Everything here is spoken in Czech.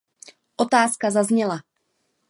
Otázka zazněla.